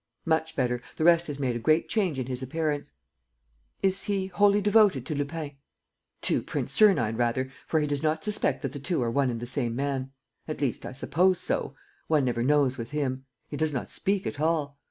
"Much better. The rest has made a great change in his appearance." "Is he wholly devoted to Lupin?" "To Prince Sernine, rather, for he does not suspect that the two are one and the same man. At least, I suppose so. One never knows, with him. He does not speak at all.